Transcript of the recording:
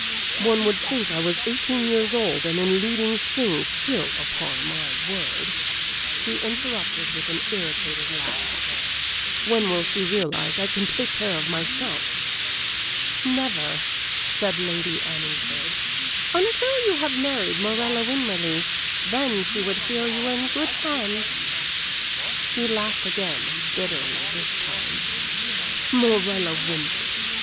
"One would think I was eighteen years old and in leading strings still, upon my word," he interrupted, with an irritated laugh. "When will she realize I can take care of myself?" "Never," said Lady Anningford, "until you have married Morella Winmarleigh; then she would feel you were in good hands." He laughed again bitterly this time. "Morella Winmarleigh!